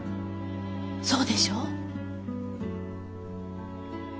そうでしょ？